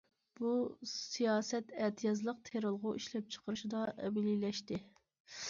بۇ سىياسەت ئەتىيازلىق تېرىلغۇ ئىشلەپچىقىرىشىدا ئەمەلىيلەشتى.